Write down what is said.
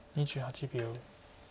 ２８秒。